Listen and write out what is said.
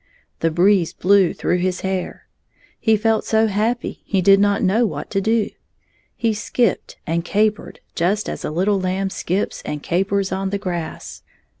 The breeze blew through his hair. He felt so happy, he did not know what to do. He skipped and capered just as a little lamb skips and capers on the grass.